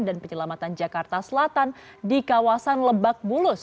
dan penyelamatan jakarta selatan di kawasan lebak bulus